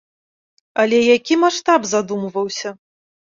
Але які маштаб задумваўся!